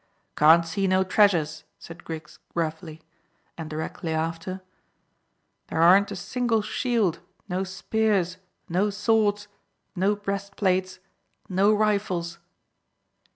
"Can't see no treasures," said Griggs gruffly; and directly after, "There aren't a single shield no spears no swords no breast plates no rifles."